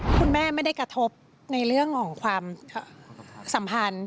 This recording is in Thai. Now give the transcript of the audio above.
คุณแม่ไม่ได้กระทบในเรื่องของความสัมพันธ์